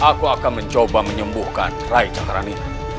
aku akan mencoba menyembuhkan rai centerani